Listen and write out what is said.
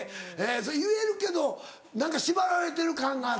それ言えるけど何か縛られてる感があって。